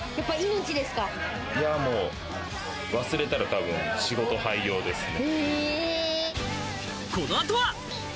忘れたら多分仕事廃業ですね。